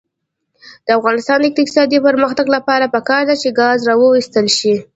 د افغانستان د اقتصادي پرمختګ لپاره پکار ده چې ګاز راوویستل شي.